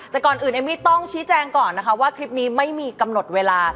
แต่ก่อนอื่นเอมมี่ต้องชี้แจงก่อนนะคะว่าคลิปนี้ไม่มีกำหนดเวลา